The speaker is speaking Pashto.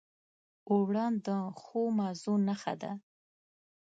اوړه د ښو مزو نښه ده